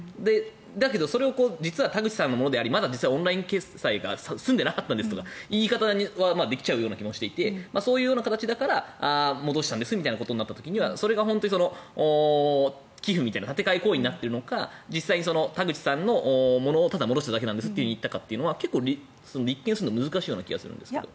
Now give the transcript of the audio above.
だけど、それを実は田口さんのものでありまだオンライン決済が済んでなかったんですとか言い方はできちゃう気がしていてそういうような形だから戻したんですみたいなことになった時はそれが本当に寄付みたいな立て替え行為になっているのか実際に田口さんのものをただ、戻しただけなんですと言っただけなのかは立件するのは難しい気がするんですけど。